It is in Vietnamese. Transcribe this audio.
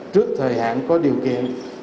trước thời hạn có điều kiện